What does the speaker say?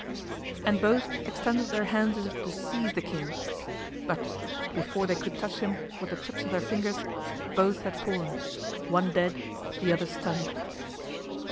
And both extended their hands as if to seize the king, but before they could touch him with the tips of their fingers, both had fallen, one dead, the other stunned.